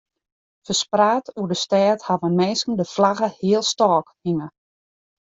Ferspraat oer de stêd hawwe minsken de flagge healstôk hinge.